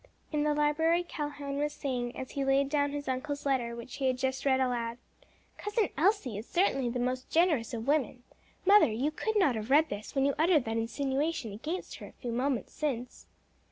In the library Calhoun was saying, as he laid down his uncle's letter, which he had just read aloud, "Cousin Elsie is certainly the most generous of women! Mother, you could not have read this when you uttered that insinuation against her a few moments since?"